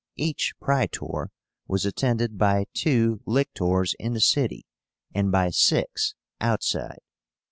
Each Praetor was attended by two lictors in the city, and by six outside.